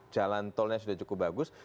jalan tolnya sudah cukup bagus